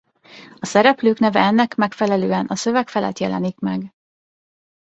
A szereplők neve ennek megfelelően a szöveg felett jelenik meg.